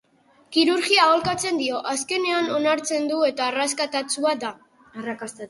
Kirurgia aholkatzen dio, azkenean onartzen du eta arrakastatsua da.